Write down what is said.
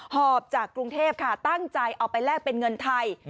หอบจากกรุงเทพค่ะตั้งใจเอาไปแลกเป็นเงินไทย